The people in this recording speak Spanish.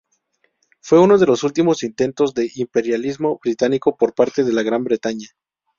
Fue uno de los últimos intentos de imperialismo británico por parte de Gran Bretaña.